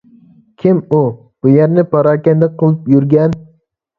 كىم ئۇ، بۇ يەرنى پاراكەندە قىلىپ يۈرگەن !؟